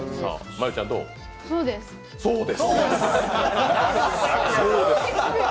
そうです。